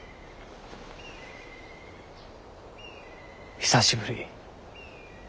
久しぶり。